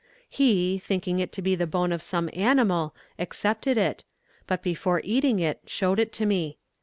He, thinking it to be the bone of some animal, accepted it, but before eating it showed it to me.